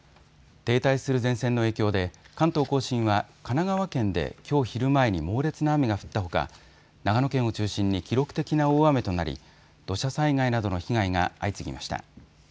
停滞する前線の影響で関東甲信は神奈川県できょう昼前に猛烈な雨が降ったほか長野県を中心に記録的な大雨となり土砂災害などの被害が相次ぎました。